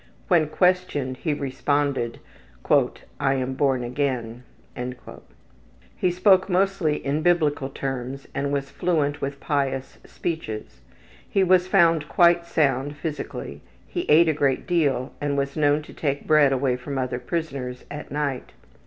When questioned he responded, ``I am born again.'' He spoke mostly in Biblical terms and was fluent with pious speeches. He was found quite sound physically. He ate a great deal and was known to take bread away from other prisoners at night.